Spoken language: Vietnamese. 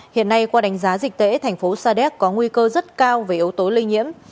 hiện nay qua đánh giá dịch tễ thành phố sa đéc có nguy cơ rất cao về yếu tố lây nhiễm